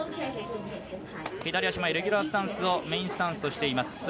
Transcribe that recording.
左足前レギュラースタンスをメインスタンスとしています。